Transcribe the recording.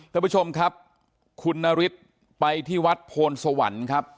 ท่านผู้ชมครับคุณนฤทธิ์ไปที่วัดโพนสวรรค์ครับ